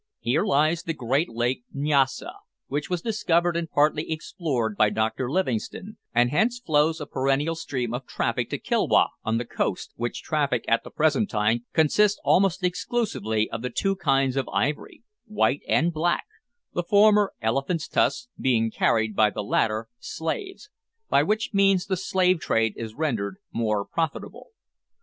Here lies the great lake Nyassa, which was discovered and partly explored by Dr Livingstone, and hence flows a perennial stream of traffic to Kilwa, on the coast which traffic, at the present time, consists almost exclusively of the two kinds of ivory, white and black, the former (elephants' tusks) being carried by the latter (slaves), by which means the slave trade is rendered more profitable.